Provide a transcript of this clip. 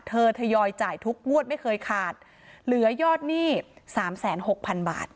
เธอทยอยจ่ายทุกงวดไม่เคยขาดเหลือยอดหนี้๓๖๐๐บาท